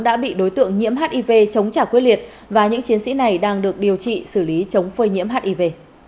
đã bị đối tượng nhiễm hiv chống trả quyết liệt và những chiến sĩ này đang được điều trị xử lý chống phơi nhiễm hiv